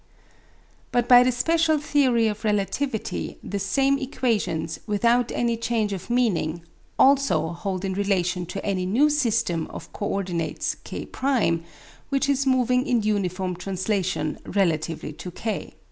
But by the special theory of relativity the same equations without any change of meaning also hold in relation to any new system of co ordinates K' which is moving in uniform translation relatively to K.